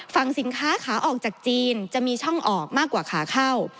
ฝั่งสินค้าขาออกจากจีนจะมีช่องออกมากว่าขาเข้า